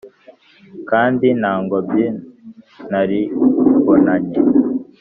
Kandi nta ngobyi naribonanye